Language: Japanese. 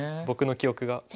僕の記憶が。